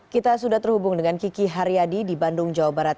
kita sudah terhubung dengan kiki haryadi di bandung jawa barat